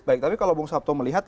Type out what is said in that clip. baik tapi kalau bung sabto melihat